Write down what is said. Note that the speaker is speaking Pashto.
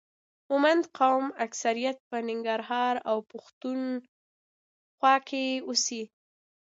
مومند قوم اکثریت په ننګرهار او پښتون خوا کې اوسي